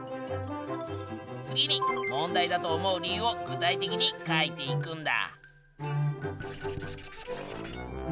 次に問題だと思う理由を具体的に書いていくんだ。